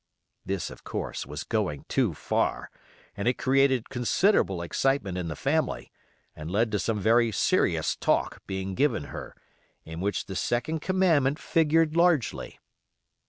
This, of course, was going too far, and it created considerable excitement in the family, and led to some very serious talk being given her, in which the second commandment figured largely.